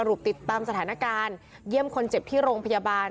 ติดตามสถานการณ์เยี่ยมคนเจ็บที่โรงพยาบาล